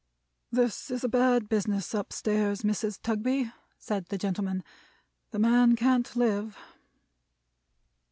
"This is a bad business up stairs, Mrs. Tugby," said the gentleman. "The man can't live."